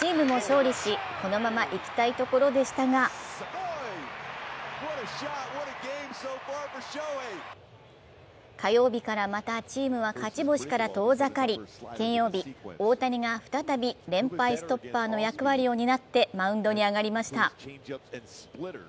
チームも勝利しこのままいきたいところでしたが火曜日からまたチームは勝ち星から遠ざかり、金曜日、大谷が再び連敗ストッパーの役割を担ってマウンドに上がりました。